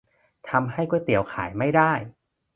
ทำให้ก๋วยเตี๋ยวขายไม่ได้ !